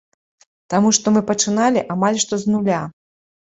Таму што мы пачыналі амаль што з нуля.